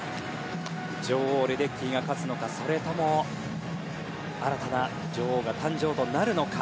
女王レデッキーが勝つのかそれとも新たな女王が誕生となるのか。